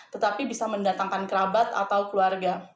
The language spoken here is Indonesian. tetapi bisa mendatangkan kerabat atau keluarga